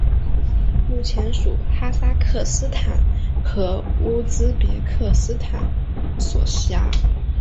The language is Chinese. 目前属哈萨克斯坦和乌兹别克斯坦所辖。